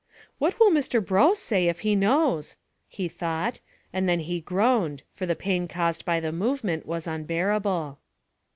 "What will Mr Brough say if he knows?" he thought, and then he groaned, for the pain caused by the movement was unbearable.